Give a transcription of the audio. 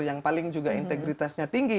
yang paling juga integritasnya tinggi